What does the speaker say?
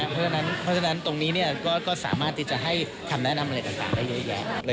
เพราะฉะนั้นตรงนี้ก็สามารถที่จะให้คำแนะนำอะไรต่างได้เยอะแยะ